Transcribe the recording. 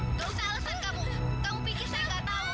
tidak usah alasan kamu kamu pikir saya tidak tahu kak gini